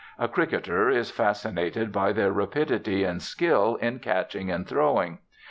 A cricketer is fascinated by their rapidity and skill in catching and throwing.